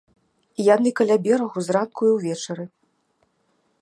Яны каля берагу зранку і ўвечары.